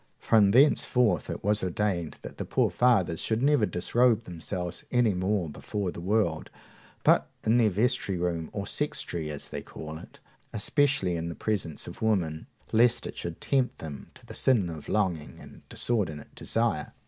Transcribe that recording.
From thenceforth it was ordained that the poor fathers should never disrobe themselves any more before the world, but in their vestry room, or sextry, as they call it; especially in the presence of women, lest it should tempt them to the sin of longing and disordinate desire.